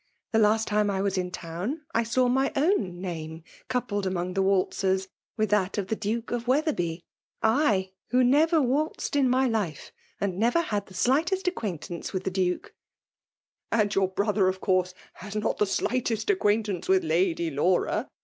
The last time I was in town, I saw my own name coupled among the waltzers, with that of the Duke of Wetherby; I, who never waltzed in my life> and never had the sli^test acquaintance with the Duke/* ^ And your brother^ of course, has not the slightest acquaintance with Lady Laura?"